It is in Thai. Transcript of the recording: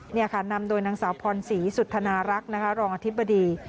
นี่ค่ะนำโดยนางสาวพรศรีสุธนารักษ์นะคะรองอธิบดี